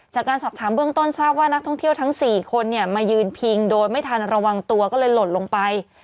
จากการสอบถามเบื้องต้นทราบว่านักท่องเที่ยวทั้ง๔คนมายืนพิงโดยไม่ทันระวังตัวก็เลยหล่นลงไป